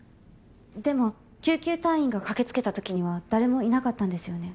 でも救急隊員が駆けつけた時には誰もいなかったんですよね？